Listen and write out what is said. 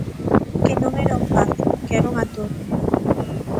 Que non era un pazo, que era unha torre.